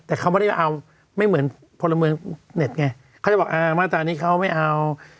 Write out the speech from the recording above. แต่เขาไม่ได้เอาไม่เหมือนพลเมืองเน็ตไงเขาจะบอกอ่ามาตรานี้เขาไม่เอา